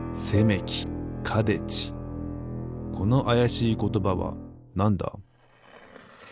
このあやしいことばはなんだ？